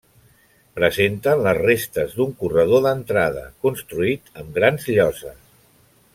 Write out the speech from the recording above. Presenten les restes d'un corredor d'entrada, construït amb grans lloses.